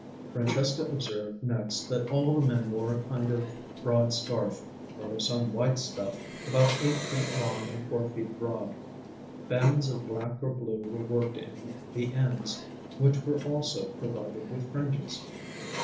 Francesca observed next that all the men wore a kind of broad scarf, made of some white stuff about eight feet long and four feet broad. Bands of black or blue were worked in the ends, which were also provided with fringes.